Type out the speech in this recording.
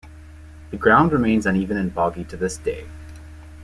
The ground remains uneven and boggy to this day.